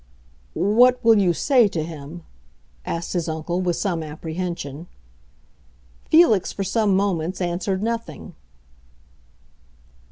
"What will you say to him?" asked his uncle, with some apprehension. Felix for some moments answered nothing.